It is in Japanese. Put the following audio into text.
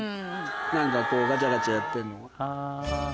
何かこうガチャガチャやってんのが。